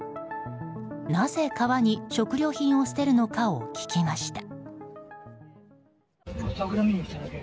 なぜ、川に食料品を捨てるのかを聞きました。